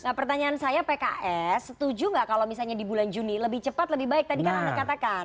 nah pertanyaan saya pks setuju nggak kalau misalnya di bulan juni lebih cepat lebih baik tadi kan anda katakan